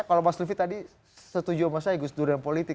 kalau mas lufi tadi setuju sama saya gus durian politik